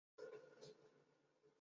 道光二年中壬午恩科进士。